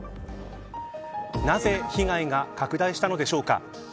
なぜ被害が拡大したのでしょうか。